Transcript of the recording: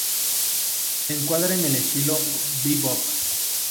Se encuadra en el estilo "bebop".